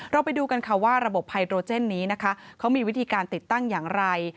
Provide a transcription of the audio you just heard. ไปดูกันค่ะว่าระบบไฮโดรเจนนี้นะคะเขามีวิธีการติดตั้งอย่างไร